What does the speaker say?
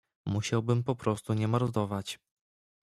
"Musiałbym po prostu nie mordować."